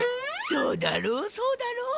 そうだろうそうだろう。